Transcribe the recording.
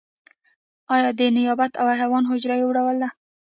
ایا د نبات او حیوان حجره یو ډول ده